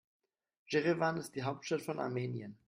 Jerewan ist die Hauptstadt von Armenien.